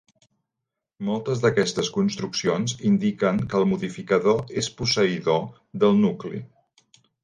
Moltes d'aquestes construccions indiquen que el modificador és posseïdor del nucli.